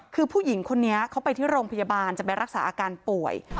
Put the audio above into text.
คือผู้หญิงคนนี้เขาไปที่โรงพยาบาลจะไปรักษาอาการป่วย